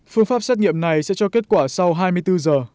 phương pháp xét nghiệm này sẽ cho kết quả sau hai mươi bốn giờ